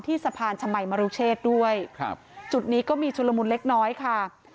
สะพานชมัยมรุเชษด้วยครับจุดนี้ก็มีชุลมุนเล็กน้อยค่ะ